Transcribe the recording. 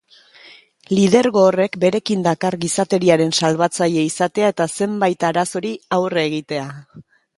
Lidergo horrek berekin dakar gizateriaren salbatzaile izatea eta zenbait arazori aurre egitea.